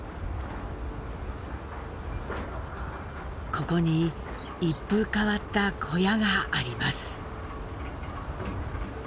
ここに一風変わった小屋があります。